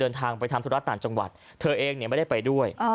เดินทางไปทำธุระต่างจังหวัดเธอเองไม่ได้ไปด้วย